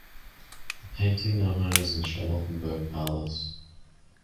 The painting now hangs in Charlottenburg Palace.